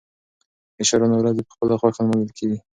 د شاعرانو ورځې په خپله خوښه لمانځل کېږي.